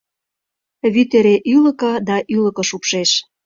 Вӱд эре ӱлыкӧ да ӱлыкӧ шупшеш.